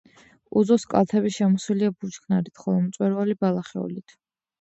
უძოს კალთები შემოსილია ბუჩქნარით, ხოლო მწვერვალი ბალახეულით.